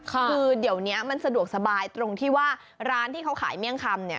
คือเดี๋ยวนี้มันสะดวกสบายตรงที่ว่าร้านที่เขาขายเมี่ยงคำเนี่ย